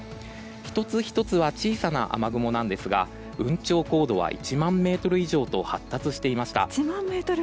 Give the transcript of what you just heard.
１つ１つは小さな雨雲なんですが雲頂高度は１万ｍ以上と発達していました。